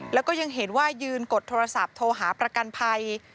แล้วก็ยังเห็นว่ายืนกดโทรศัพท์โทรหาประกันภัย